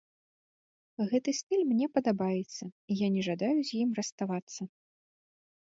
Гэты стыль мне падабаецца, і я не жадаю з ім расставацца.